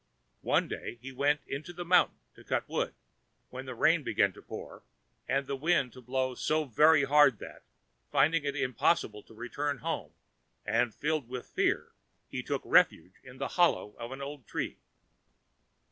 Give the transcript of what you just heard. One day he went into the mountain to cut wood, when the rain began to pour and the wind to blow so very hard that, finding it impossible to return home, and filled with fear, he took refuge in the hollow of an old tree.